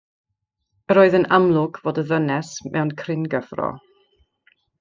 Yr oedd yn amlwg fod y ddynes mewn cryn gyffro.